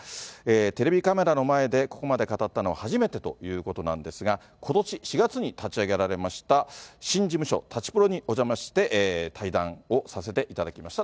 テレビカメラの前でここまで語ったのは初めてということなんですが、ことし４月に立ち上げられました新事務所、舘プロにお邪魔して、対談をさせていただきました。